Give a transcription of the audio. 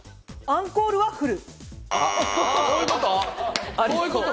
アンコールワッフル。